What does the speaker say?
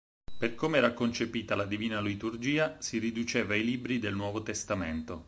Per come era concepita la Divina liturgia, si riduceva ai libri del Nuovo Testamento.